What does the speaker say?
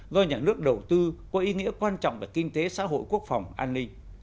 do nhà nước đầu tư có ý nghĩa quan trọng về kinh tế xã hội quốc phòng an ninh